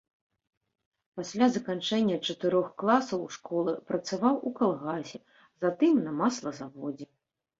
Пасля заканчэння чатырох класаў школы працаваў у калгасе, затым на маслазаводзе.